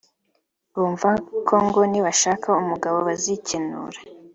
bumva ko ngo nibashaka umugabo bazikenura